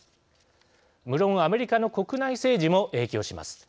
無論、アメリカの国内政治も影響します。